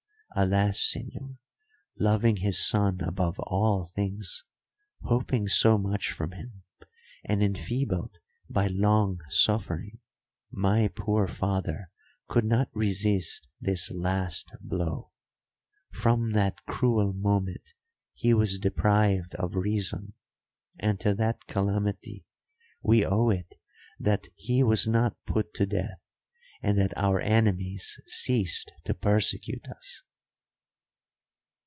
Alas, señor, loving his son above all things, hoping so much from him, and enfeebled by long suffering, my poor father could not resist this last blow. From that cruel moment he was deprived of reason; and to that calamity we owe it that he was not put to death and that our enemies ceased to persecute us."